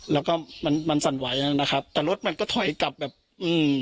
แล้วก็มันมันสั่นไหวอ่ะนะครับแต่รถมันก็ถอยกลับแบบอืม